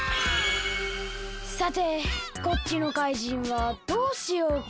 さてこっちのかいじんはどうしようか？